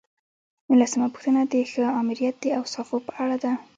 نولسمه پوښتنه د ښه آمریت د اوصافو په اړه ده.